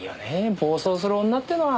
暴走する女ってのは。